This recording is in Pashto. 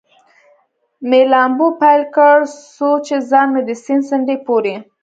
مې لامبو پیل کړ، څو چې ځان مې د سیند څنډې پورې.